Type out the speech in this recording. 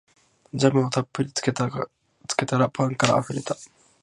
ジャムをたっぷりつけたらパンからあふれた